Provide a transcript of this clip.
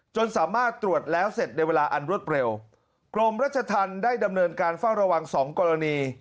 จนสามารถตรวจแล้วเสร็จในเวลาอันรวดเร็วกรมรัชธรรมได้ดำเนินการเฝ้าระวังสองกรณี